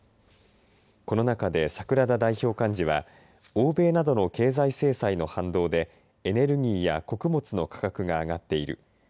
この中で櫻田代表幹事は欧米などの経済制裁の反動でエネルギーや穀物の価格が上がっている。